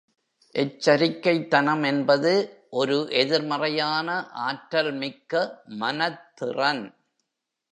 எச்சரிக்கைத்தனம் என்பது ஒரு எதிர்மறையான ஆற்றல்மிக்க மனத்திறன்.